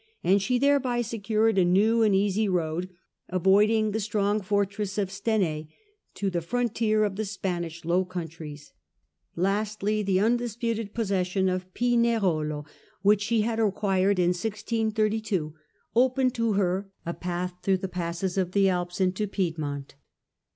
and she thereby secured a new and easy road, avoiding the strong fortress of Stenai, to (he frontier 6 Peace of Westphalia, 1648. of the Spanish Low Countries. Lastly, the undisputed possession of Pinerolo, which she had acquired in 1632, opened to her a path through the passes of the Alps into Piedmont.